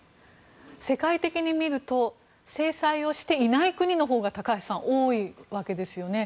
世界的にみると制裁をしていない国のほうが高橋さん、多いわけですよね。